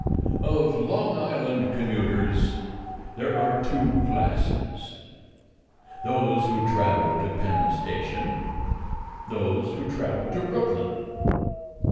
Of Long Island commuters there are two classes: those who travel to Penn Station, those who travel to Brooklyn.